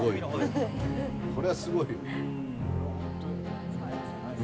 これはすごい。